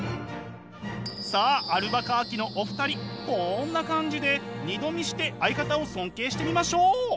さあアルバカーキのお二人こんな感じで二度見して相方を尊敬してみましょう。